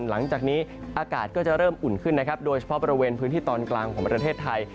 หลังจากนี้อากาศก็จะเริ่มอุ่นขึ้นนะครับโดยเฉพาะบริเวณพื้นที่ตอนกลางของประเทศไทย